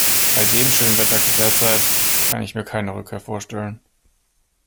Bei dem schönen Wetter derzeit kann ich mir keine Rückkehr vorstellen.